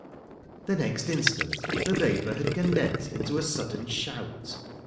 The next instant the vapour had condensed into a sudden shout.